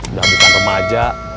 udah bukan remaja